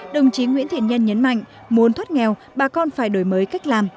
đồng chí nguyễn thiện nhân nhấn mạnh muốn thoát nghèo bà con phải đổi mới cách làm